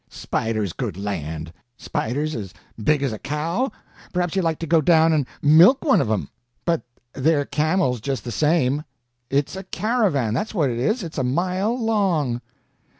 Spiders, good land! Spiders as big as a cow? Perhaps you'd like to go down and milk one of 'em. But they're camels, just the same. It's a caravan, that's what it is, and it's a mile long."